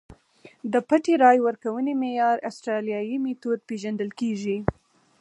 د پټې رایې ورکونې معیار اسټرالیايي میتود پېژندل کېږي.